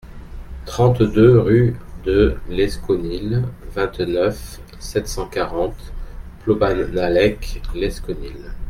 trente-deux rue de Lesconil, vingt-neuf, sept cent quarante, Plobannalec-Lesconil